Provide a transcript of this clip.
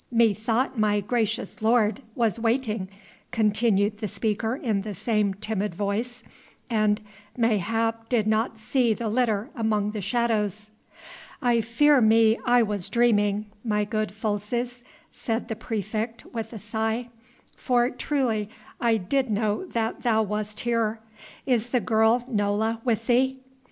"Methought my gracious lord was waiting," continued the speaker in the same timid voice, "and mayhap did not see the litter among the shadows." "I fear me I was dreaming, my good Folces," said the praefect with a sigh, "for truly I did know that thou wast here. Is the girl Nola with thee?"